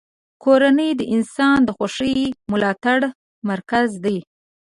کورنۍ د انسان د خوښۍ او ملاتړ مرکز دی.